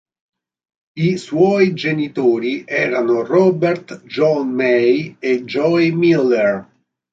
I suoi genitori erano Robert John May e Joy Miller.